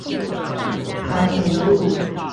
環湖路